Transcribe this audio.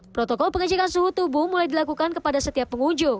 protokol pengecekan suhu tubuh mulai dilakukan kepada setiap pengunjung